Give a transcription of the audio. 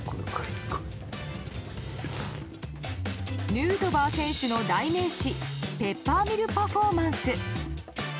ヌートバー選手の代名詞ペッパーミルパフォーマンス。